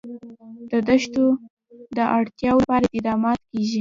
د دښتو د اړتیاوو لپاره اقدامات کېږي.